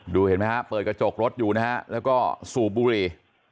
เห็นไหมฮะเปิดกระจกรถอยู่นะฮะแล้วก็สูบบุหรี่